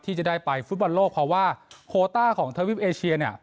ที่จะได้ไปฟุตบอลโลกเพราะว่าโคต้าของทวิปเอเชียเนี่ย